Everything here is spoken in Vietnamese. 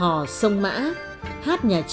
hò sông mã hát nhà trò văn chinh